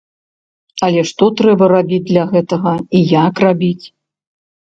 Але што трэба рабіць для гэтага, і як рабіць?